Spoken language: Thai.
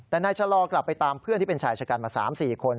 แต่นายชะลอกลับไปตามเพื่อนที่เป็นชายชะกันมา๓๔คน